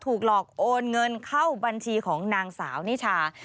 ถูกหลอกโอนเงินเข้าบัญชีของนางสาวนิชา